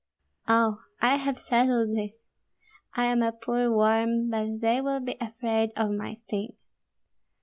Oh, I have settled this! I am a poor worm, but they will be afraid of my sting."